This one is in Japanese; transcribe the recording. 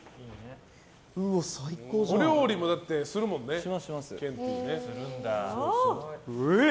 お料理もするもんねケンティー。